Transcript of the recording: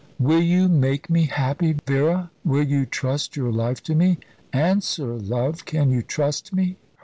"Will you make me happy, Vera? Will you trust your life to me? Answer, love, can you trust me?"